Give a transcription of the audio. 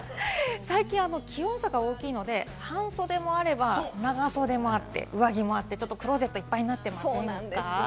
最近、気温差が大きいので半袖もあれば、長袖もあって上着もあって、ちょっとクロゼットがいっぱいになってませんか？